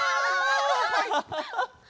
ハハハハハ。